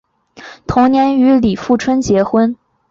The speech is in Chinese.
同年与李富春结婚。